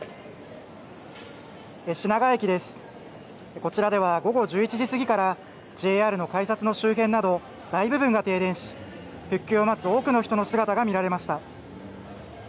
こちらでは午後１１時すぎからＪＲの改札の周辺など大部分が停電し復旧を待つ多くの姿が見られました。